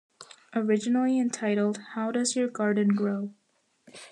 Originally entitled How Does Your Garden Grow?